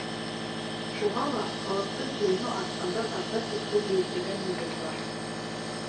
Шуға ла халыҡтың килеме артҡандан-арта тип һүҙ йөрөтөргә нигеҙ бар.